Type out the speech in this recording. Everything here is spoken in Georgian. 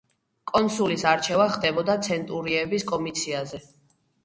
კონსულის არჩევა ხდებოდა ცენტურიების კომიციაზე.